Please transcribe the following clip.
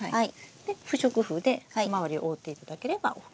で不織布で周りを覆っていただければＯＫです。